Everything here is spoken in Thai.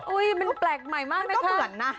อุ้ยมันแปลกใหม่มากนะคะ